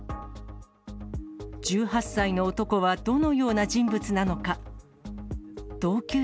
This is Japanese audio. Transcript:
１８歳の男はどのような人物なのか。